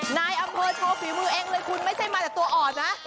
นายอำเภอโชว์ฝีมือเองเลยคุณไม่ใช่มาแต่ตัวอ่อนนะ